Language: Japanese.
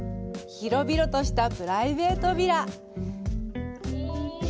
広々としたプライベートヴィラ。